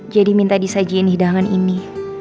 jadi minta disajiin hidangan ini